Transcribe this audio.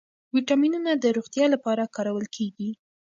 ویټامینونه د روغتیا لپاره کارول کېږي.